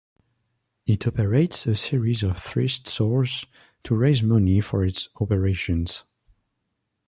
It operates a series of thrift stores to raise money for its operations.